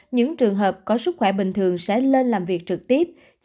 những trường hợp có sức khỏe bình thường sẽ lên làm việc trực tiếp